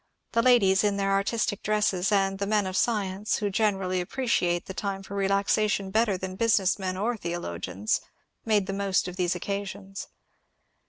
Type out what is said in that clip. The ladies in their artistic dresses, and the men of science (who generally ap preciate the time for relaxation better than business men or theologians) made the most of these occasions.